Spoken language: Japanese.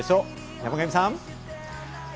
山神さん。